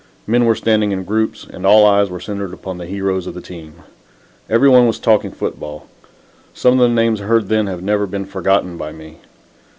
Men were standing in groups, and all eyes were centered upon the heroes of the team. Every one was talking football. Some of the names heard then have never been forgotten by me.